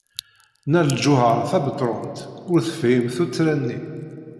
Nna Lǧuheṛ Tabetṛunt ur tefhim tuttra-nni.